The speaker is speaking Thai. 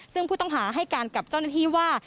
ซึ่งผู้ต้องหาให้การกับเจ้าหน้าที่ว่า